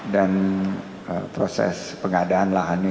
dan proses pengadaan lahannya